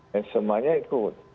dan semuanya ikut